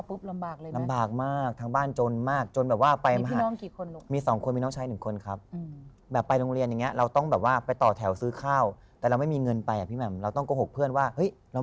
อืมอืมอืมอืมอืมอืม